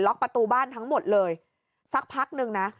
ประตูบ้านทั้งหมดเลยสักพักนึงนะ